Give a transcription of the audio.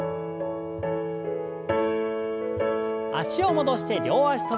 脚を戻して両脚跳び。